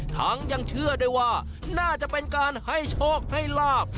ทั้งยังเชื่อได้ว่าน่าจะเป็นการให้โชคให้ลาบ